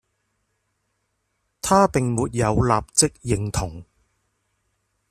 她並沒有立即認同